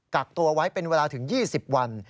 กักตัวไว้เป็นเวลาถึง๒๐วัน